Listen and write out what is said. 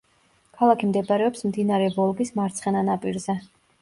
ქალაქი მდებარეობს მდინარე ვოლგის მარცხენა ნაპირზე.